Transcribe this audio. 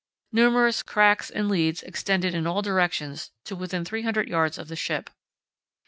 Numerous cracks and leads extended in all directions to within 300 yds. of the ship.